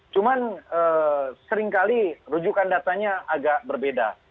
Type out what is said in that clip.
cuman seringkali rujukan datanya agak berbeda